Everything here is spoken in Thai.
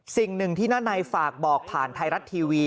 สิ่งหนึ่งที่นานัยฝากบอกผ่านไทยรัฐทีวี